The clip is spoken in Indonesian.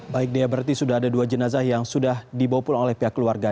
baik dia berarti sudah ada dua jenazah yang sudah dibawa pulang oleh pihak keluarga